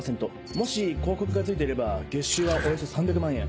もし広告が付いていれば月収はおよそ３００万円。